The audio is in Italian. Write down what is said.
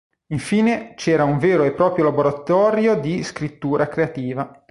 Infine c'era un vero e proprio laboratorio di scrittura creativa.